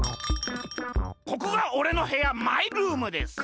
ここがおれのへやマイルームです。